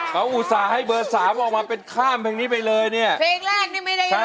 มามาถึงเพลงที่๒กันเลยนะครับถ้าพร้อมแล้วอินโทรเพลงที่๒มูลค่า๒๐๐๐๐บาทมาเลยครับ